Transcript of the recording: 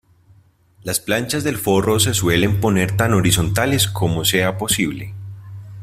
Las planchas del forro se suelen poner tan horizontales como sea posible.